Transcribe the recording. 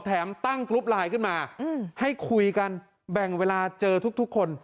แถมตั้งกรุ๊ปไลน์ขึ้นมาให้คุยกันแบ่งเวลาเจอทุกคน